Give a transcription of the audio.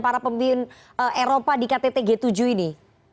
para pemimpin eropa di ktt g tujuh ini